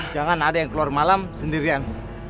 jangan ada yang keluar malam sendirian